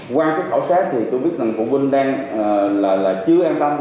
qua cái khảo sát thì tôi biết rằng phụ huynh đang là chưa an tâm